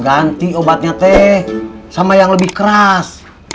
ganti obatnya teh sama yang lebih keras